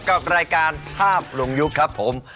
กับรายการภาพลงยุคครับผม